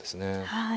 はい。